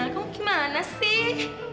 kamu gimana sih